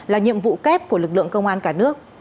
là nhiệm vụ kép của lực lượng công an cả nước